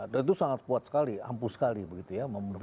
dan itu sangat kuat sekali ampuh sekali begitu ya memobilisasi